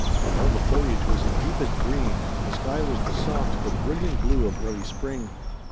All the foliage was in deepest green and the sky was the soft but brilliant blue of early spring.